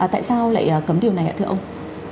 tại sao lại cấm điều này ạ thưa ông